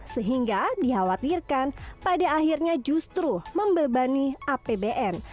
sehingga dikhawatirkan pada akhirnya justru membebani apbn